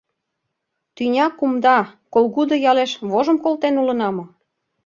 — Тӱня кумда, Колгудо ялеш вожым колтен улына мо?